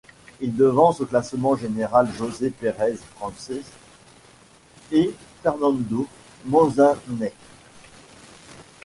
Il devance au classement général José Perez Frances et Fernando Manzaneque.